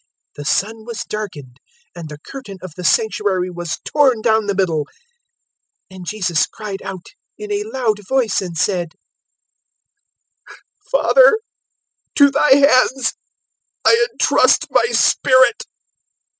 023:045 The sun was darkened, and the curtain of the Sanctuary was torn down the middle, 023:046 and Jesus cried out in a loud voice, and said, "Father, to Thy hands I entrust my spirit."